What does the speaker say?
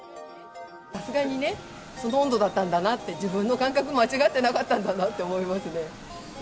さすがにね、その温度だったんだなって、自分の感覚、間違ってなかったんだなって思いますね。